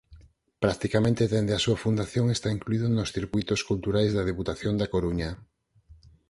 Practicamente dende a súa fundación está incluído nos circuítos culturais da Deputación da Coruña.